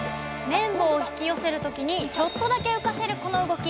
麺棒を引き寄せる時にちょっとだけ浮かせるこの動き。